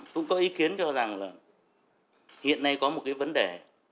cũng có ý kiến cho rằng là hiện nay có một cái vấn đề